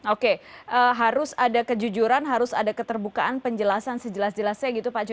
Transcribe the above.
oke harus ada kejujuran harus ada keterbukaan penjelasan sejelas jelasnya gitu pak jokowi